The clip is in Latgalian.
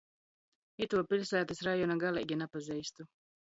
Ituo piļsātys rajona galeigi napazeistu.